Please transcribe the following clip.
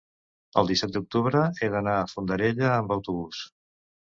el disset d'octubre he d'anar a Fondarella amb autobús.